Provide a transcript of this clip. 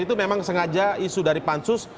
itu memang sengaja isu dari pansus